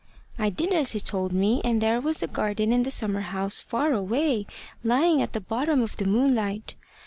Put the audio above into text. I did as he told me, and there was the garden and the summer house, far away, lying at the bottom of the moonlight.